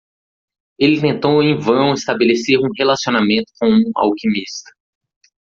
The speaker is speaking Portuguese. Ele tentou em vão estabelecer um relacionamento com um alquimista.